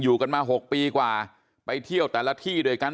กันมา๖ปีกว่าไปเที่ยวแต่ละที่ด้วยกัน